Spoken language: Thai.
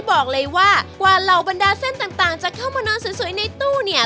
บอกเลยว่ากว่าเหล่าบรรดาเส้นต่างจะเข้ามานอนสวยในตู้เนี่ย